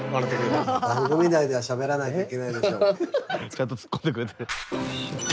ちゃんとツッコんでくれてる。